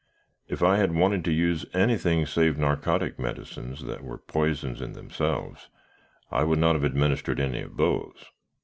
If I had wanted to use anything save narcotic medicines that were poisons in themselves, I would not have administered any of those.